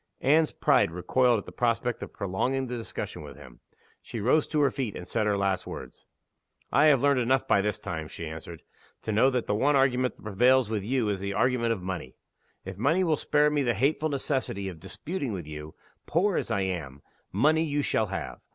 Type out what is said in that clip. Anne's pride recoiled at the prospect of prolonging the discussion with him. She rose to her feet, and said her last words. "I have learned enough by this time," she answered, "to know that the one argument that prevails with you is the argument of money. If money will spare me the hateful necessity of disputing with you poor as I am, money you shall have.